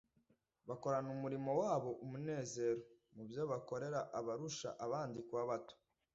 bakorana umurimo wabo umunezero, mu byo bakorera abarusha abandi kuba bato.